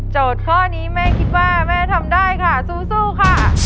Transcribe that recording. ข้อนี้แม่คิดว่าแม่ทำได้ค่ะสู้ค่ะ